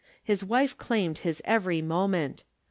His wife claimed his every moment.